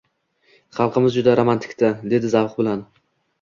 Xalqimiz juda romantik-da, – dedi zavq bilan.